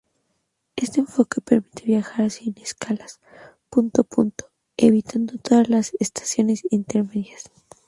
Este enfoque permite viajar sin escalas, punto a punto, evitando todas las estaciones intermedias.